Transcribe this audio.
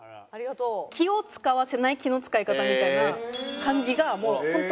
気を使わせない気の使い方みたいな感じがもう本当。